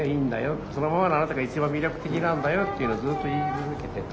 そのままのあなたが一番魅力的なんだよっていうのをずっと言い続けてて。